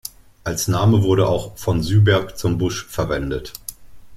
Als Name wurde auch 'von Syberg zum Busch' verwendet.